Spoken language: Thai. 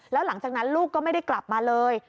แล้วหลังจากนั้นลูกก็ไม่ได้กลับมาเลย